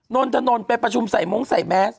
นนทนนท์ไปประชุมใส่มงใส่แมส